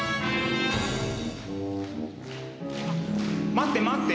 待って待って。